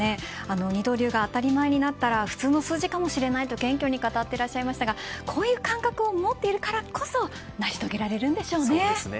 二刀流が当たり前になったら普通の数字かもしれないと謙虚に語ってらっしゃいましたがこういう感覚を持っているからこそ成し遂げられるんでしょうね。